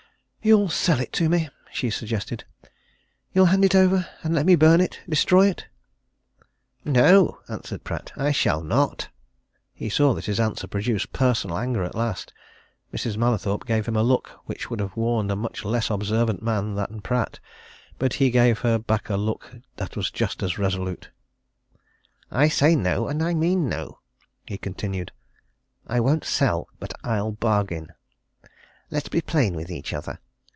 "You'll sell it to me?" she suggested. "You'll hand it over and let me burn it destroy it?" "No!" answered Pratt. "I shall not!" He saw that his answer produced personal anger at last. Mrs. Mallathorpe gave him a look which would have warned a much less observant man than Pratt. But he gave her back a look that was just as resolute. "I say no and I mean no!" he continued. "I won't sell but I'll bargain. Let's be plain with each other.